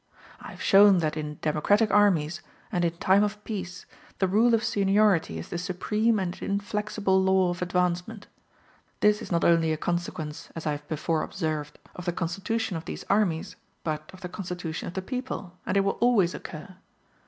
I have shown that in democratic armies, and in time of peace, the rule of seniority is the supreme and inflexible law of advancement. This is not only a consequence, as I have before observed, of the constitution of these armies, but of the constitution of the people, and it will always occur.